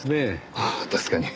ああ確かに。